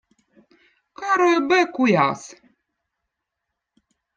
karu eb õõ kujaz